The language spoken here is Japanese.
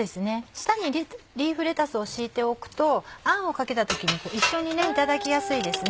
下にリーフレタスを敷いておくとあんをかけた時に一緒にいただきやすいですね。